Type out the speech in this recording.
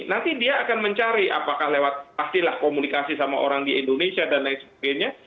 nanti dia akan mencari apakah lewat pastilah komunikasi sama orang di indonesia dan lain sebagainya